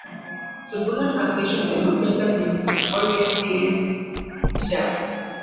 The Bonner translation is reprinted in "Borges, A Reader".